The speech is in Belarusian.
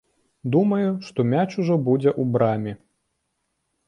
Думаў, што мяч ужо будзе ў браме.